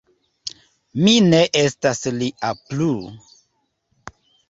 Mi ne estas lia plu.